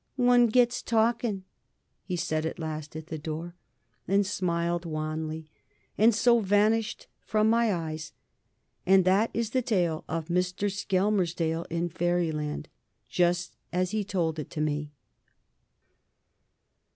"One gets talking," he said at last at the door, and smiled wanly, and so vanished from my eyes. And that is the tale of Mr. Skelmersdale in Fairyland just as he told it to me.